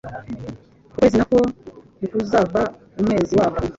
ukwezi na ko ntikuzava umwezi wako,